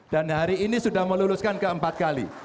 dan hari ini sudah meluluskan keempat kali